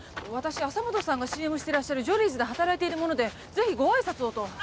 私浅元さんがＣＭしてらっしゃるジョリーズで働いているものでぜひご挨拶をと。